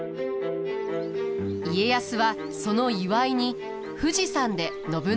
家康はその祝いに富士山で信長をもてなします。